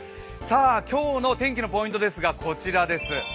今日の天気のポイントはこちらです。